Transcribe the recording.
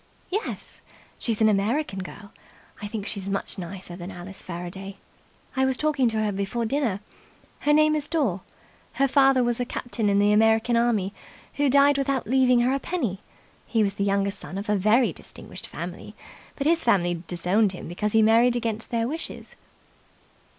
"Yes. She's an American girl. I think she's much nicer than Alice Faraday. I was talking to her before dinner. Her name is Dore. Her father was a captain in the American army, who died without leaving her a penny. He was the younger son of a very distinguished family, but his family disowned him because he married against their wishes."